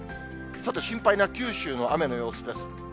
さて、心配な九州の雨の様子です。